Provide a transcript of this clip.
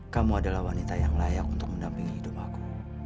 kamu adalah wanita yang layak untuk mendampingi hidup aku